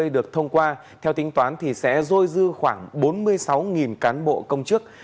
được thông qua theo tính toán thì sẽ rôi dư khoảng bốn mươi sáu cán bộ công chức